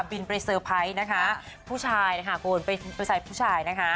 บินไปเซอร์ไพรส์นะคะผู้ชายนะคะคุณเป็นผู้ชายผู้ชายนะคะ